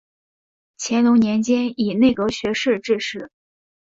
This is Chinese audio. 乾隆年间以内阁学士致仕。